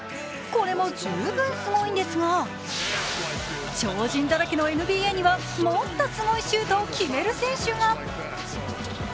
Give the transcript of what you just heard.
これも十分すごいんですが、超人だらけのＮＢＡにはもっとすごいシュートを決める選手が。